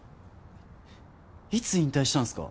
いつ引退したんすか？